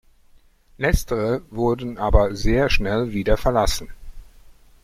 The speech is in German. Letztere wurden aber sehr schnell wieder verlassen.